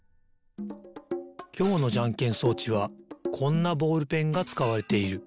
きょうのじゃんけん装置はこんなボールペンがつかわれている。